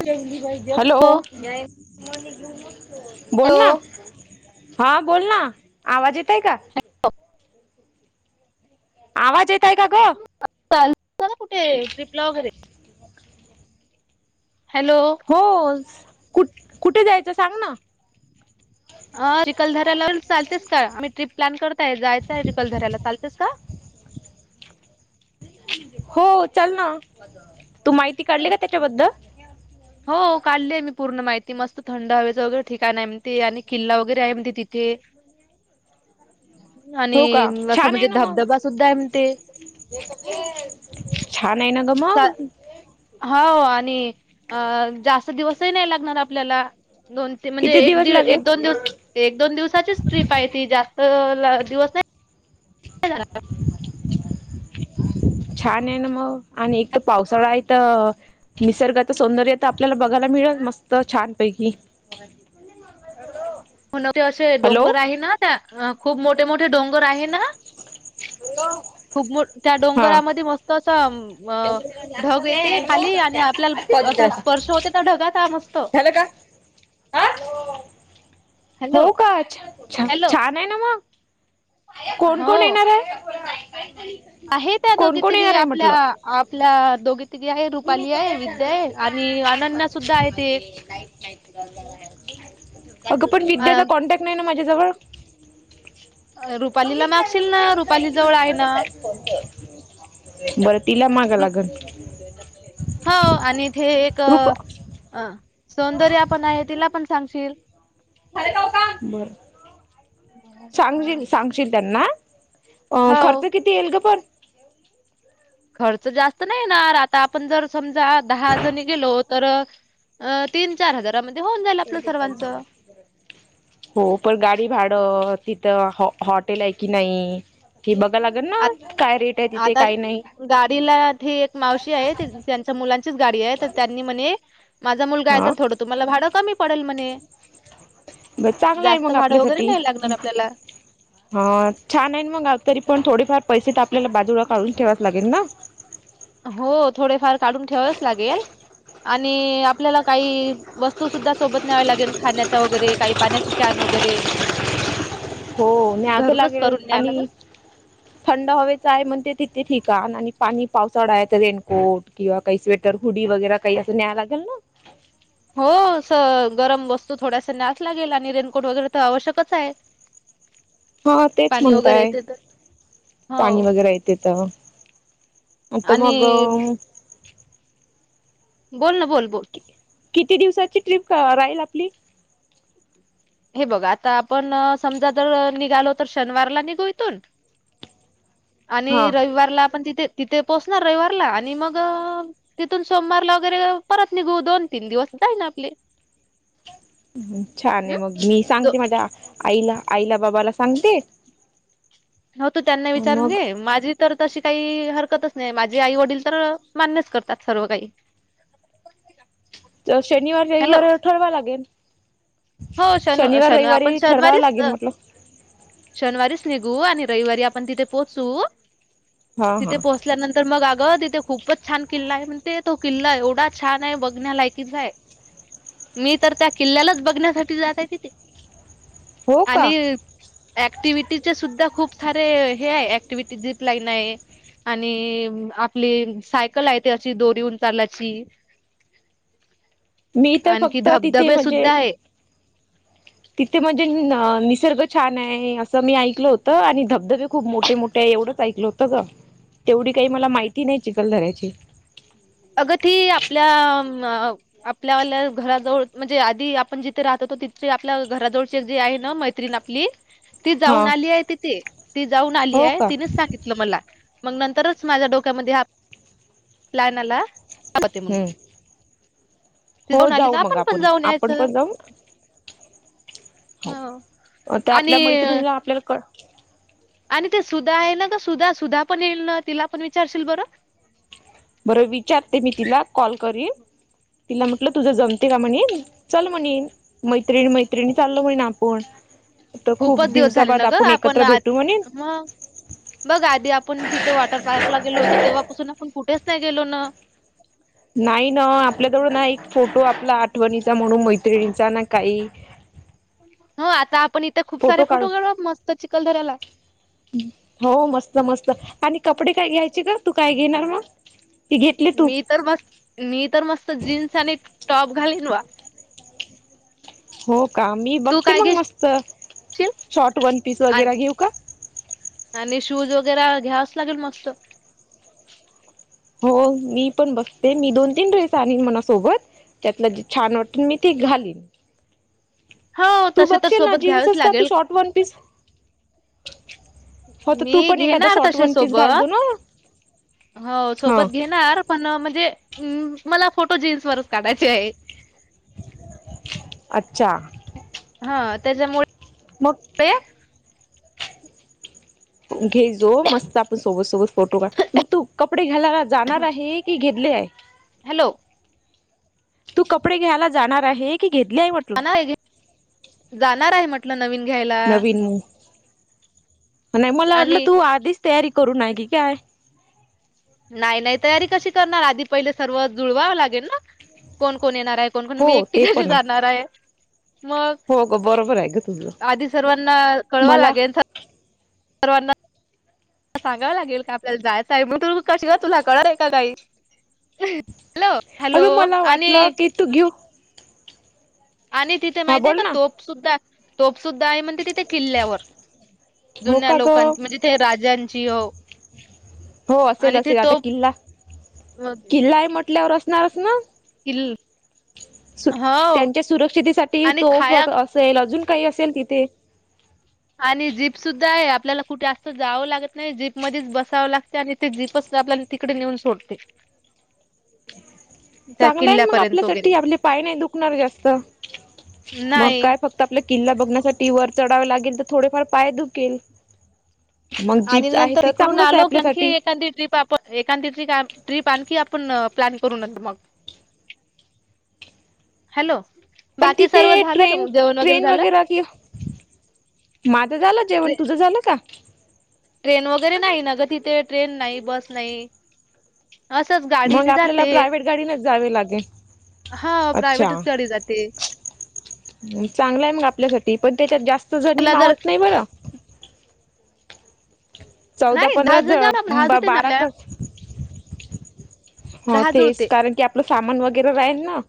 टलीबाई. Hello बोल ना. Hello हा बोल ना आवाज येतय का. आवाज ऐताय का गो. चालू ना कुठे ट्रिपला वगैरे. हॅलो हो कुठ कुठे जायचं सांग ना. अ चखलधऱ्याला चालतेस का आम्ही ट्र्रीप प्लॅन करताय जायचय चिखलधऱ्याला चालतेस का. हो चाल ना तू माहिती काढली का त्याच्याबद्दल. हो काढली आहे मी पूर्ण माहिती मस्त थंड हवेचं वगैरे ठिकाण आहे म्हणते आणि किल्ला वगैरे आहे म्हणते तिथे.. हो आणि का असं छान आहे म्हणजे ना मग धबधबा सुद्धा आहे म्हण ते. छान आहे ना गमाग. चा- हो आणि अ जास्त दिवसही नाही लागणार आपल्याला. दोन तीन म्हणजे किती एक दिवस लागेल एक दोन दिवस एक दोन दिवसाचीच ट्रीप आहे ती जास्त. अ दिवस नाही झा. छान आहे ना मग आणि एक तर पावसाळा आहे तर. निसर्गाच सौंदर्य तर आपल्याला बघायला मिळेल मस्त छानपैकी. [inaudible] ते असे हॅलो डोंगर आहे ना त्या खूप मोठे मोठे डोंगर आहे ना. हॅलो. खूप मोठ त्या डोंगरामध्ये मस्त असं ढग येते खाली आणि आपल्याला. अस स्पर्श होते तर ढगाचा म. झाला का ह [unintelligible] हो हॅलो का हॅलो छान आहे ना मग? कोण हो कोण येणार आहे? आहे त्या कोण दोघी कोण तिघी येणार आहे आपल्या, म्हटलं आपल्या दोघी तिघी आहे रुपाली हाय. विद्या हाय आणि अनन्या सुद्धा आहे ते अगं पण अ विद्याचा कॉन्टॅक्ट नाही ना माझ्याजवळ. रुपालीला मागशील नां रुपाली जवळ आहे नां. बरतीला मागं रु लागनं. हो आणि इथे एक अ - - सौंदर्या पण आहे तिला पण सांगशील. ब सांगशील, सांगशील त्यांना हं. अ हो खर्च किती येईल ग पण? खर्च जास्त नाही येणार. आता आपण जर समजा दहा जणी गेलो तर तीन चार हजार. हो. पण गाडी भाडं तिथं हॉटेल हाय की नाही - ना आत काय रेट आहे तिथे आता काही नाही. गाडीला ते एक मावशी आहे त्यांच्या मुलांचीच गाडी आहे तर त्यांनी म्हणे माझा मुल गा हाय हा तर थोडं तुम्हाला भाडं कमी पडेल म्हणे. बस चांगला हाय "जास्त मग भाडं वगैरे आपल्यासाठी. नाही लागणार आपल्याला." हंह छान आहे मग आ तरी पण थोडीफार पैसे तर आपल्याला बाजूला काढून ठेवाच लागेल ना? हो थोडेफार काढून ठेवावच लागेल. आणि आपल्याला काही वस्तू सुद्धा सोबत न्यावं लागेल खाण्याच्या वगैरे काही पाण्याची कॅन वगैरे. हो. न्याव तर घरूनच लागेल करून न्यावं लागेल. आणि थंड हवेच आहे म्हणते. तिथे ठिकाण आणि पाणी पावसाळा आहे रेनकोट किंवा काही स्वेटर हुडी वगैरे काही असं न्यायला लागेल ना. हो [inaudible] हो असं गरम वस्तू थोड्यासा न्यावं लागेल आणि रेनकोट वगैरे तर आवश्यकच आहे. [inaudible] हा तेचं पाणी वगैरे म्हणताय. येते तर. पाणी हो वगैरे येते तर आता आणि मग- - बोल ना. बोल, बोल. किती दिवसाची ट्रिप राहील आपली? हे बघ आता आपण समजा जर निघालो तर शनिवारला निघू इथून हा आणि रविवारला आपण तिथे - - तिथे पोचणार रविवारला आणि मग तिथून सोमवारला वगैरे परत निघू दोन तीन दिवस जाईल आपले. छान हम् हाय मग. मी सांगते माझ्या आईला आईला बाबाला सांगते. हो तू त्यांना विचारून मग घे. माझी तर तशी काही हरकतच नाही. माझे आई वडील तर मान्यच करतात सर्व काही - - तर शनिवार, रविवार ठरवा लागेल. हो शन शनिवार शनिव आपण रविवारी ठरवावं शनिवारीच, लागेल म्हटलं. शनिवारीच निघ घु आणि रविवारी आपण तिथे पोहोचू. हा तिथे हा पोहोचल्यानंतर मग अग ति थे खूपच छान किल्ला आहे म्हणते. तो किल्ला एवढाच छान आहे बघण्यालायकीचा हाय. मी तर त्या किल्ल्यालाच बघण्यासाठी - - टी जात आहे तिथे हो आणि का ऑक्टिव्हिटीचे सुद्धा - - खूप सारे हे आहे ऍक्टिव्हीटीेत झिपलाईन आहे. आणि आपली सायकल हाय ते अशी दोरीऊन चालाची. मी तर आणखी फक्त तिथे धबधबे म्हणजे सुद्धा आहे. तिथे म्हणजे निसर्ग - - छान हाय असं मी ऐकलं होतं आणि धबधबे खूप मोठे मोठे आहे. एवढंच ऐकलं होतं ग. तेवढी काही मला माहिती नाही चिखलधऱ्याची. अग ती आपल्या आपल्या घराजवळ म्हणजे आधी आपण जिथे राहतो तिथ आपल्या घराजवळचे जे आहे. न मैत्रीण आपली ती हा जाऊन आली आहे तिथे ती जाऊन आली हो आहे. का तिनेच सांगितलं मला, मग नंतरच माझ्या डोक्यामध्ये हा प्लॅन आला. ती सांगलती मग हम्म हो जाऊ मग आपण आपण यायचं पण जाऊ. हो ह मग ते आणि आपल्या मैत्रिणीला आपल्याला कळ. आणि ते सुधा आहे ना का सुधा सुधा पण येईल ना तिला पण विचारशील बरं. बर विचारते मी तिला कॉल करिन. तिला म्हटलं तुझं जमते का म्हणेन चल म्हणेन मैत्रिणी मैत्रिणी चालल म्हणेन आपण. तर खूप खूपच दिवस झाले दिवसाबाद ना ग आपण एकत्र आ भेटू म्हणे मग, बघ आधी आपण तिथे वॉटर पार्कला गेलो होतो. तेव्हापासून आपण कुठेच नाही गेलो ना. नाही ना आपल्याजवळं फोटो आपला आठवणीचा म्हणून मैत्रिणीचा ना काही हो आता आपण इथं खूप साऱ्या फोटो काढू मस्त चिखलदऱ्याला, हो मस्त मस्त आणि कपडे काय घ्यायचे का तू काय घेणार मग, ती घेतली तू मी तर मस्त मी तर मस्त जीन्स आणि टॉप घालीन वा हो का मी बघते मग मस्त शॉर्ट वन पीस आण- वगैरे घेऊ का. आणि शूज वगैरे घ्यायच लागेल मस्त. हो मी पण बघते मी दोन तीन ड्रेस आणिन म्हना सोबत त्यातला जे छान वाटेल मी ते घालीन हो तू तसे तर बघशील ना सोबत घ्यावेच जीन्सस का तू लागेल. शॉर्ट वन पीस हो तर तू मी पण एखादा घेणार शॉर्ट तसे वन पीस घालतो सोबत ना, हो हा सोबत घेणार म्हणजे मला फोटो जीन्स वर काढायचे आहेत अच्छा हा त्याच्यामुळे मग घे जो मस्त आपण सोबत सोबत फोटो काढू मग तू कपडे घ्याला जाणार आहे की घेतले आहे. हॅलो तू कपडे घ्यायला जाणार आहे की? घेतले आहे म्हटलं जाणार आहे जाणार आहे म्हटलं नवीन घ्यायला, नवीन नाही मला वाटलं आणि तू आधीच तयारी करू ना की काय. नाही नाही तयारी कशी करणार आधी पहिले सर्व जुळवावं लागेल ना कोण कोण येणार. कोण कोण मी हो एकटी ते कशी पण जाणार आहे. मग, हो ग बरोबर आहे ग तुझं आधी सर्वांना कळवा मला लागेल. परवाना सांगावं लागेल का आपल्याला जायचं आहे मग तू कशी का तुला कळलं आहे का काही हॅलो हॅलो अगं मला वाटलं आणि की तू घेऊ आणि तिथे हा माहिती आहे बोल का ना तोप सुुद्धा तोप सुद्धा आहे म्हणते तिथे किल्ल्यावर हो जुन्या का ग लोकां म्हणजे तेे राजांची हो असेल आणि ते असेल आता तोप किल्ला किल्ला आहे म्हटल्यावर असणारच ना [unintelligible] हो त्यांच्या सुरक्षितसाठी आणि तोफ व खाया असेल अजून काही अस [unintelligible] आणि जीप सुद्धा आहे आपल्याला कुठे जात जावं लागत नाही जीप मध्येच बसावं लागते आणि ते जीपच आपल्या तिकडे नेऊन सोडते त्या चांगला आहे मग किल्ल्यापर्यंत वगैरे आपल्यासाठी आपले पाय नाही दुखणार जास्त मग नाही काय फक्त आपला किल्ला बघण्यासाठी वर चढावे लागेल तर थोडेफार पाय दुखेल मग आणि जीप आहे नंतर तर तिकडून चांगलंच आहे आलो की आणखी आपल्यासाठी एखादी ट्रीप आप एखादी टप ट्रीप आणखी आपण प्लॅन करून नो मग हॅलो पण बाकी तिथे सर्व झालं का ट्रेन मग जेवण ट्रेन झालं वगैरे कि माझं झालं जेवण ट्रे तुझं झालं का? ट्रेन वगैरे नाही न ग तिथे ट्रेन नाही बस नाही असंच मग गाडीने आपल्याला जाते प्रायव्हेट गाडीनच जावे लागेल हा प्रायव्हेटच अच्छा गाडी जाते चांगला आहे मग आपल्यासाठी पण त्याच्यात जास्त जणी तुला जर मावत नाही बरं चौदा नाही दहा जण जा ना, दहा पंधरा जुळते ना बारा आपल्या कसं हो दहा तेच जुळते कारण की आपलं सामान वगैरे राहील ना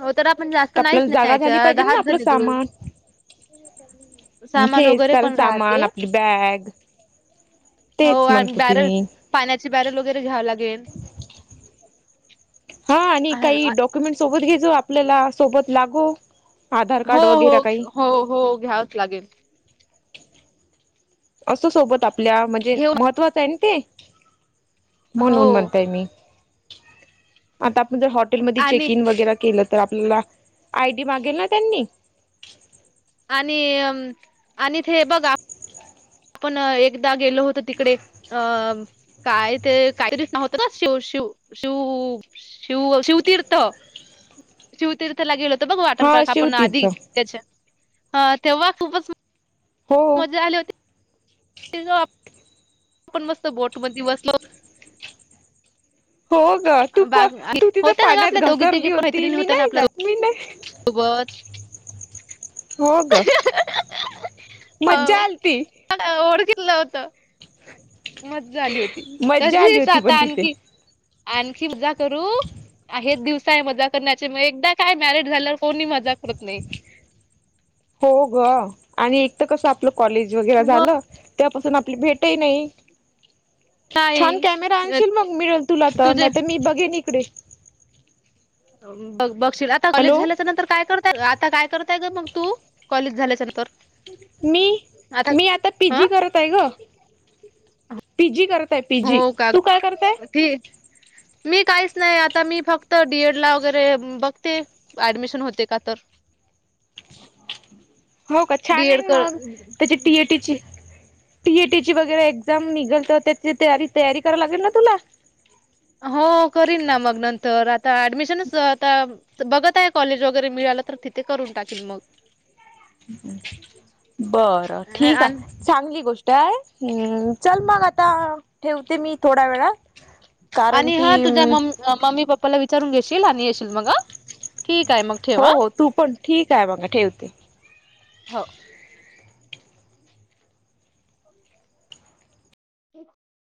हो तर आपण जास्त नाहीच आपल्याला जागा झाली न्यायचा पाहिजे ना दहाच आपलं जनी जुळू सामान सामान तेच वगैरे कारण पण सामान राहते आपली बॅग हो तेच आणि म्हणतो ती बॅरल मी पाण्याचे बॅरल वगैरे घ्यावं लागेल हा आणि काही डॉक्युमेंट सोबत घ्याचो आपल्याला सोबत लागो आधार हो कार्ड हो वगैरे काही हो हो घ्यावच लागेल असं सोबत आपल्या म्हणजे घेऊन महत्वाचं आहे ना ते हो म्हणून म्हणताय मी आता आपण ज हॉटेलमध्ये चेक आणि इन वगैरे केलं आपल्याला आयडी मागेल ना त्यांनी आणि अ आणि ते बघा आपण एकदा गेलो होत तिकडे अ काय ते काहीतरी नाव होत शिव शिव शिव शिव शिवतीर्थो शिवतीर्थला गेलतो बघ वाटर हा पार्क आपण शिवतीच आधी त्याच्या ह तेव्हा खूपच हो मज्जा आली होती आपण मस्त बोट मधी बसलो हो ग तू प बाग तू तिथं होत्या ना ग पाण्यात आपल्या दोघी तिघी घसरली पण होती मैत्रिणी मी होत्या ना नाही आपल्या जात मी नाही [unintelligible] होग मज्जा आलती कसलं होत. मज्जा आली होती मज्जा आली तशीच होती आता पण तिथे आणखी आणखी मज्जा करू आहे दिवसा आहे मजा करण्याचे म एकदा काय मॅरिड झाल्यावर कोणी मजा करत नाही. हो ग आणि एक तर कसं आपलं कॉलेज वगैरे मग झालं. त्यापासून आपली भेटही नाही छान काय कॅमेरा आणशील मग मिळेल तुला तर तुझे नाही तर मी बघेन [unintelligible] बघ बघशील आता कॉलेज हॅलो झाल्याच्या नंतर काय करता आता काय कर मग तू कॉलेज झाल्याच नंतर मी मी आता पी अ जी करत आहे ग पीजी करताय, पीजी हो का तू काय करताय? ठीक मी काहीच नाही आता मी फक्त डीएड ला वगैरे बघते ऍडमिशन होते का तर, हो का छान डीएड आहे, कर मग त्याची टीएटीची टी एटीची वगैरे एक्झाम निघल तर त्याची तयारी करायला लागेल ना तुला हो करीन ना मग नंतर आता ऍडमिशनच आता बघत आहे. कॉलेज वगैरे मिळालं तर तिथे करून टाकेल मग. बरं ठीक आणि आहे. चांगली गोष्ट काय हम् चल मग आता ठेवते मी थोडा वेळात कारण आणि हा की तुझ्या मम्मी पप्पाला विचारून घेशील आणि येशील मग ठीक आहे मग ठेव हो हा हो तू पण ठीक आहे मग ठेवते. हो. [inaudible]